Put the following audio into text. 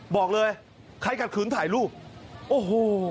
บอกเลยใครขัดขืนถ่ายรูปโอ้โห